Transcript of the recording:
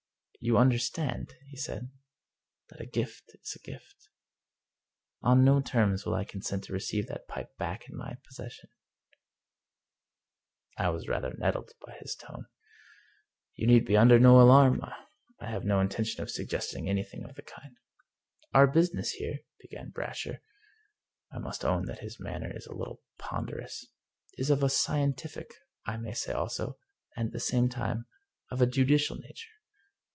" You understand," he said, " that a gift is a gift. On no terms will I consent to receive that pipe back in my possession." 231 English Mystery Stories I was rather nettled by his tone. " You need be under no alarm. I have no intention of suggesting anything of the kind." " Our business here," began Brasher — I must own that his manner is a little ponderous —" is of a scientific, I may say also, and at the same time, of a judicial nature.